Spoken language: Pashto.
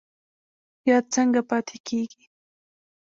یاد څنګه پاتې کیږي؟